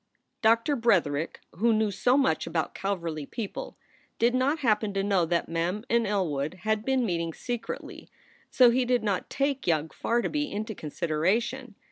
Doctor Bretherick, who knew so much about Calverly people, did not happen to know that Mem and Elwood had been meeting secretly. So he did not take young Farnaby into consideration.